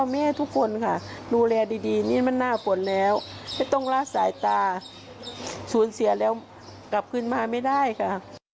ไม่ต้องลาสายตาสูญเสียแล้วกลับขึ้นมาไม่ได้ค่ะ